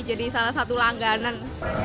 jadi salah satu langganan